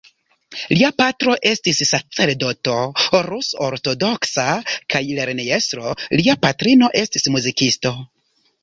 Lia patro estis sacerdoto rus-ortodoksa kaj lernejestro; lia patrino estis muzikisto.